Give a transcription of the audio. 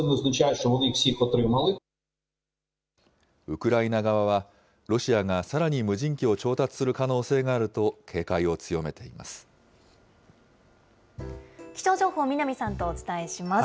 ウクライナ側は、ロシアがさらに無人機を調達する可能性があると警戒を強めていま気象情報、南さんとお伝えします。